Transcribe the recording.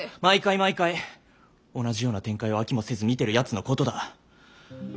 毎回毎回同じような展開を飽きもせず見てるやつのことだ。